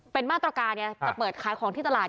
เป็นมาตรการไงจะเปิดขายของที่ตลาด